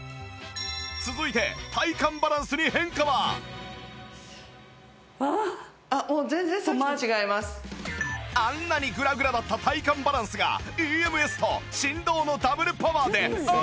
続いてあっもうあんなにグラグラだった体幹バランスが ＥＭＳ と振動のダブルパワーでお見事！